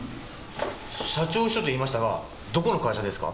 社長秘書と言いましたがどこの会社ですか？